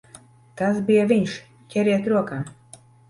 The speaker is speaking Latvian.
Tas bija viņš! Ķeriet rokā!